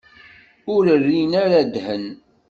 Ur rrin ara ddhen.